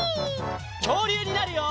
きょうりゅうになるよ！